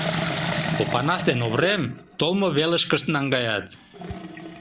Опанас ден Оврем толмо велышкышт наҥгаят.